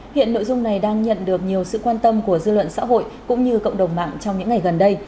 hiện nội dung này đang nhận được nhiều sự quan tâm của dư luận xã hội cũng như cộng đồng mạng trong những ngày gần đây